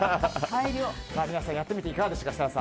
やってみていかがでしたか